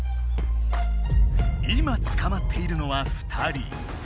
今つかまっているのは２人。